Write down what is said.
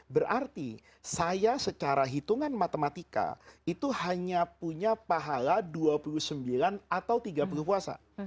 berarti saya secara hitungan matematika itu hanya punya pahala dua puluh sembilan atau tiga puluh puasa